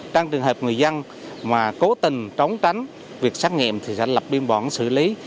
trong trường hợp người dân mà cố tình trống tránh việc xét nghiệm thì sẽ lập biên bản xử lý